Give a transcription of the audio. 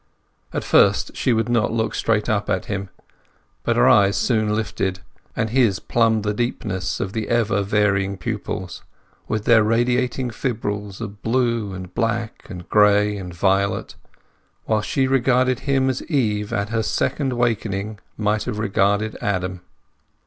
At first she would not look straight up at him, but her eyes soon lifted, and his plumbed the deepness of the ever varying pupils, with their radiating fibrils of blue, and black, and gray, and violet, while she regarded him as Eve at her second waking might have regarded Adam.